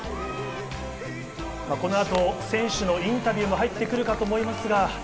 このあと選手のインタビューも入ってくるかと思います。